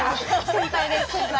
先輩です先輩！